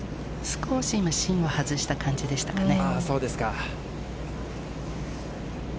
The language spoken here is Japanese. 少し芯を外した感じでしたかね。